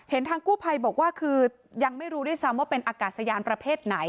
ทางกู้ภัยบอกว่าคือยังไม่รู้ด้วยซ้ำว่าเป็นอากาศยานประเภทไหน